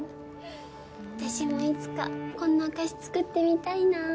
私もいつかこんなお菓子作ってみたいなあ